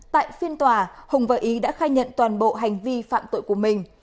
tại phiên tòa hùng và ý đã khai nhận toàn bộ hành vi phạm tội của mình